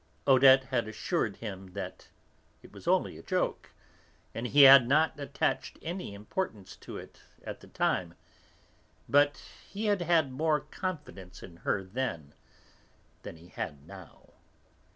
Odette had assured him that it was only a joke, and he had not attached any importance to it at the time. But he had had more confidence in her then than he had now.